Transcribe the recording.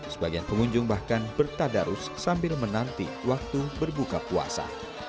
sebagian pengunjung bahkan bertadarus sambil menanti waktu berbuka puasa